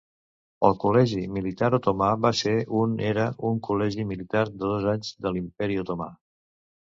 El col·legi militar otomà va ser un era un col·legi militar de dos anys de l'Imperi otomà.